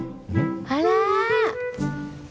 あら！